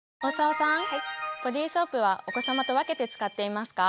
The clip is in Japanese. ボディソープはお子さまと分けて使っていますか？